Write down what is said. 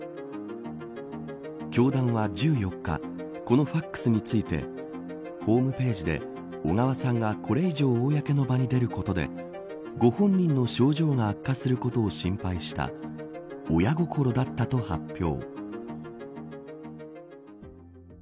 教団は１４日このファックスについてホームページで、小川さんがこれ以上、公の場に出ることでご本人の症状が悪化することを心配した親心だったと発表。